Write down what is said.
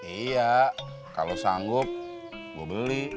iya kalau sanggup gue beli